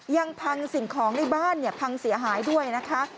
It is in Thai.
ยังพังสิ่งของในบ้านพังเสียหายด้วยนะคะ